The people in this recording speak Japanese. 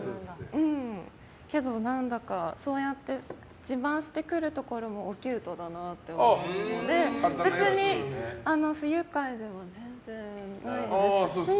けど、何だかそうやって自慢してくるところもおキュートだなと思うので別に、不愉快では全然ないです。